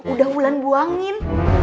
udah ulan buangin